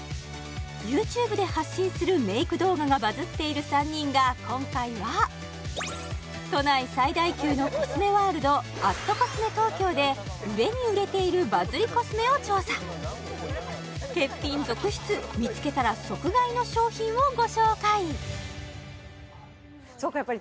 ＹｏｕＴｕｂｅで発信するメイク動画がバズっている３人が今回は都内最大級のコスメワールド＠ｃｏｓｍｅＴＯＫＹＯで売れに売れているバズりコスメを調査欠品続出見つけたら即買いの商品をご紹介